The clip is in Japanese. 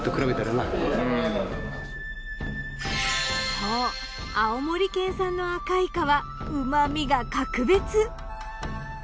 そう青森県産の赤イカは旨味が格別。